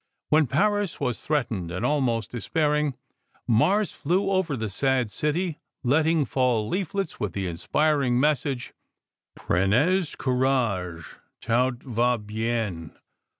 When Paris was threatened and almost despairing, Mars flew over the sad city letting fall leaflets with the inspiring message, "Prenez courage, tout va bien."